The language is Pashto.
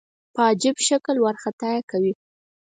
په عجیب شکل وارخطايي کوي.